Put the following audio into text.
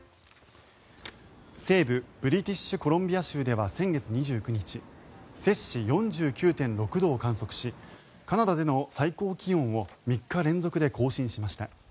西部ブリティッシュコロンビア州では先月２９日セ氏４９．６度を観測しカナダでの最高気温を３日連続で更新しました。